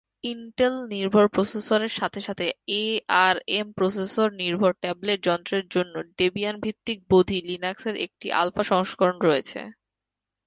ইন্টেল-নির্ভর প্রসেসরের সাথে সাথে, এআরএম প্রসেসর নির্ভর ট্যাবলেট যন্ত্রের জন্যে ডেবিয়ান-ভিত্তিক বোধি লিনাক্সের একটি আলফা সংস্করণ রয়েছে।